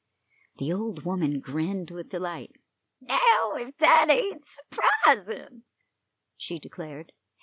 The old woman grinned with delight. "Now, ef that ain't s'prisin'," she declared.